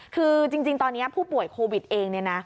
คือจริงตอนนี้ผู้ป่วยโควิดเองเนี่ยนะ